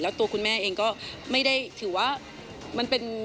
แล้วตัวคุณแม่เองก็ไม่ได้ถือว่ามันเป็น